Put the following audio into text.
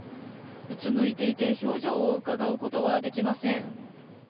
うつむいていて、表情をうかがうことはできません。